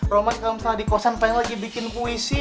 roman kalau misalnya di kosan pengen lagi bikin puisi